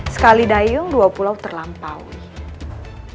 sekali dayung dua pulau terlampau